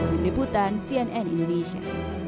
tim diputan cnn indonesia